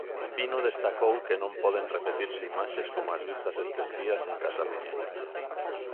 Pino destacou que non poden repetirse imaxes como as vistas estes días en Cataluña.